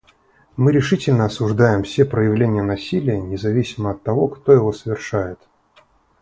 Мы решительно осуждаем все проявления насилия независимо от того, кто его совершает.